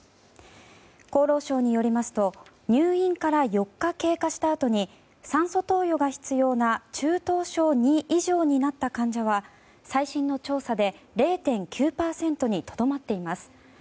厚労省によりますと入院から４日経過したあとに酸素投与が必要な中等症２以上になった患者は最新の調査で０．９％にとどまっています。